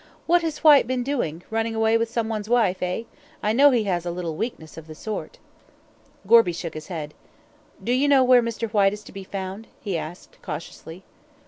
"What has Whyte been doing; running away with someone's wife, eh? I know he has little weaknesses of that sort." Gorby shook his head. "Do you know where Mr. Whyte is to be found?" he asked, cautiously.